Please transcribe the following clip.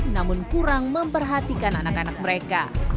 namun kurang memperhatikan anak anak mereka